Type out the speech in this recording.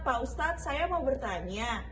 pak ustadz saya mau bertanya